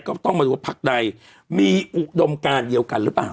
ก็ต้องมาดูว่าพักใดมีอุดมการเดียวกันหรือเปล่า